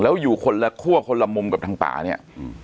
แล้วอยู่คนละคั่วคนละมุมกับทางป่าเนี่ย